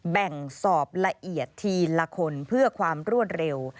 แบ่งสอบละเอียดทีละคนเพื่อความรวดเร็ว